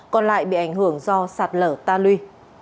còn lại bị ảnh hưởng do sạt lở ta lui